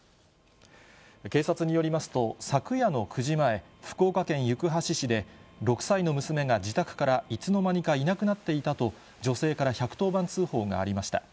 警察によりますと、昨夜の９時前、福岡県行橋市で、６歳の娘が自宅からいつの間にかいなくなっていたと、女性から１１０番通報がありました。